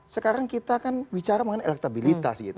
sekarang kita kan bicara mengenai elektabilitas gitu